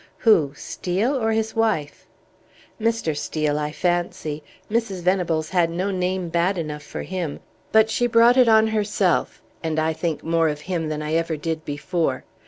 "Who? Steel or his wife?" "Mr. Steel, I fancy. Mrs. Venables had no name bad enough for him, but she brought it on herself, and I think more of him than I ever did before.